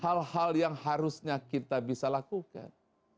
hal hal yang harusnya kita bisa lakukan